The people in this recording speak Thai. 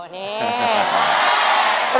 นี่